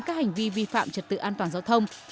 các hành vi vi phạm trật tự an toàn giao thông